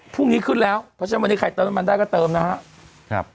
พรุ่งนี้ขึ้นแล้วเพราะฉะนั้นวันนี้ใครเติมน้ำมันได้ก็เติมนะครับ